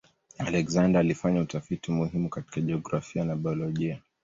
Alexander alifanya utafiti muhimu katika jiografia na biolojia.